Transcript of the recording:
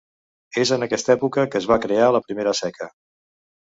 És en aquesta època que es va crear la primera seca.